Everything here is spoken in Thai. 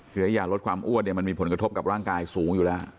คือไอ้ยาลดความอ้วนเนี่ยมันมีผลกระทบกับร่างกายสูงอยู่แล้ว